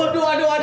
aduh aduh aduh